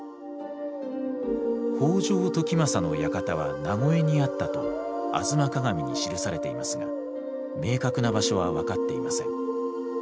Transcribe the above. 北条時政の館は名越にあったと「吾妻鏡」に記されていますが明確な場所は分かっていません。